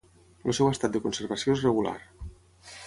El seu estat de conservació és regular.